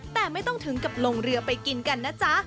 แต่ไม่ต้องถึงกับลงเรือไปกินกันนะจ๊ะ